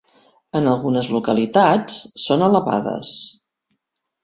En algunes localitats són elevades.